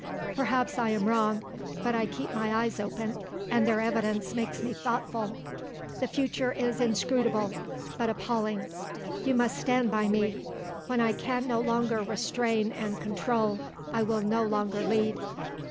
Perhaps I am wrong, but I keep my eyes open and their evidence makes me thoughtful. The future is inscrutable but appalling; you must stand by me. When I can no longer restrain and control, I will no longer lead."